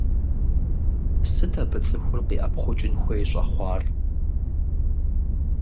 Сыт абы цӀыхур къиӀэпхъукӀын хуей щӀэхъуар?